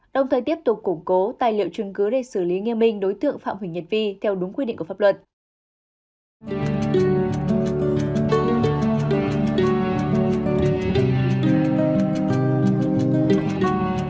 đồng thời tiếp tục củng cố tài liệu trung cư để xử lý nghiêm minh đối tượng phòng hủy nhật vi theo đúng quy định của pháp luật